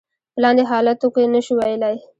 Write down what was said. په لاندې حالاتو کې نشو ویلای.